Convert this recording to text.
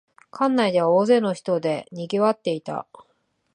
館内では大勢の人でにぎわっていた